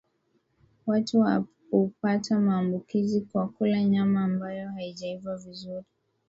Watu hupata maambukizi kwa kula nyama ambayo haijaiva vizuri